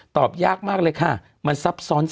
ตอบยากมากเลยค่ะมันซับซ้อน